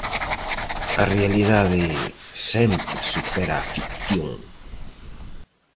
A realidade sempre supera a ficción.